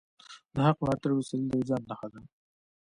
د حق ملاتړی اوسیدل د وجدان نښه ده.